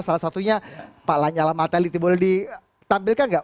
salah satunya pak lanyala mateliti boleh ditampilkan enggak